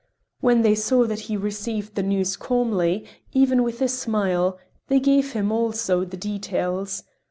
When they saw that he received the news calmly, even with a smile, they gave him, also, the details.